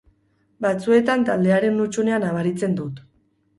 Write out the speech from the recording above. Batzuetan taldearen hutsunea nabaritzen dut.